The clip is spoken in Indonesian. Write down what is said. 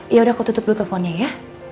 ya udah aku tutup dulu teleponnya ya